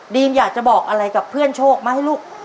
อยากจะบอกอะไรกับเพื่อนโชคมาให้ลูก